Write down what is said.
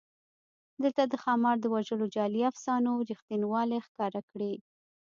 دلته د ښامار د وژلو جعلي افسانو رښتینوالی ښکاره کړی.